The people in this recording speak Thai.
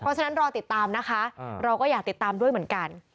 เพราะฉะนั้นรอติดตามนะคะเราก็อยากติดตามด้วยเหมือนกัน